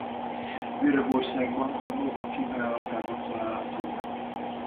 Görögországban a Nova kínálatában található meg.